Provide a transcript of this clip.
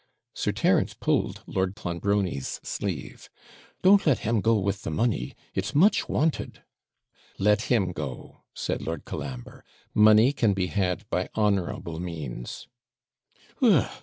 Sir Terence pulled Lord Clonbrony's sleeve: 'Don't let him go with the money it's much wanted!' 'Let him go,' said Lord Colambre; 'money can be had by honourable means.'